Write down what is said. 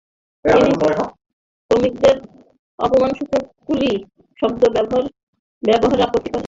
তিনি শ্রমিকদের অপমানসূচক "কুলি" শব্দ ব্যবহারে আপত্তি করেন।